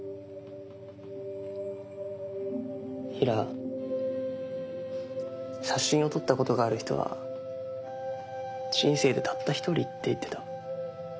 平良写真を撮ったことがある人は人生でたった一人って言ってた。